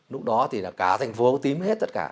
lúc đó thì cả thành phố tím hết tất cả